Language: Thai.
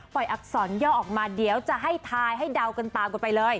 อักษรย่อออกมาเดี๋ยวจะให้ทายให้เดากันตามกันไปเลย